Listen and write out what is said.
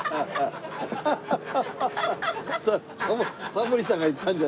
タモリさんが言ったんじゃ。